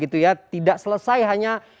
tidak selesai hanya